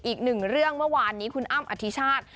อีกหนึ่งเรื่องเมื่อวานนี้คุณอ้ำอธิชาติ